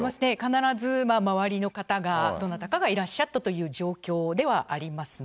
必ず周りの方がどなたかがいらっしゃったという状況ではありますね。